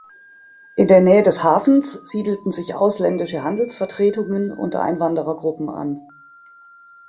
In der Nähe des Hafens siedelten sich ausländische Handelsvertretungen und Einwanderergruppen an.